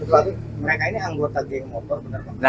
mereka ini anggota geng motor bener bener